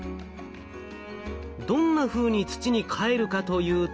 どんなふうに土にかえるかというと。